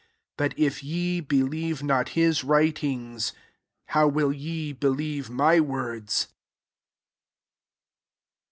47. But if ye believe not his writings, how will ye believe my words